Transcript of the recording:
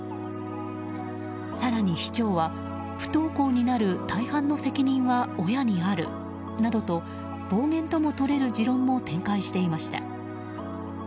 更に市長は不登校になる大半の責任は親にあるなどと暴言とも取れる持論も展開していました。